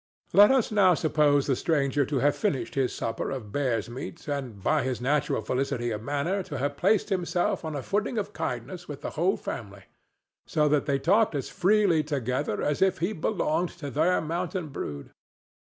Let us now suppose the stranger to have finished his supper of bear's meat, and by his natural felicity of manner to have placed himself on a footing of kindness with the whole family; so that they talked as freely together as if he belonged to their mountain brood.